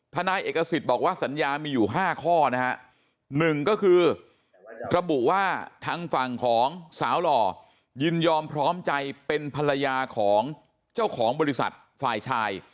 นายเอกสิทธิ์บอกว่าสัญญามีอยู่๕ข้อนะฮะหนึ่งก็คือระบุว่าทางฝั่งของสาวหล่อยินยอมพร้อมใจเป็นภรรยาของเจ้าของบริษัทฝ่ายชาย